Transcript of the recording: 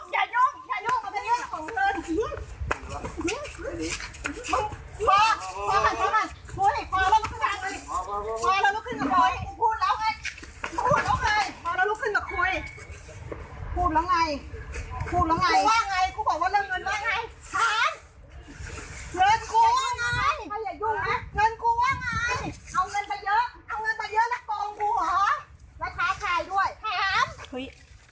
อย่าขึ้นมาคุย